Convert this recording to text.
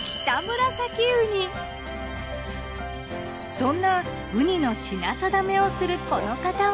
そんなウニの品定めをするこの方は。